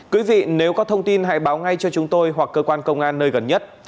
quý vị nếu có thông tin hãy báo ngay cho chúng tôi hoặc cơ quan công an nơi gần nhất